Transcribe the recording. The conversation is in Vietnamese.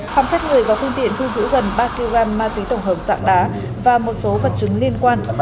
phòng xét người và phương tiện thu giữ gần ba kg ma túy tổng hợp dạng đá và một số vật chứng liên quan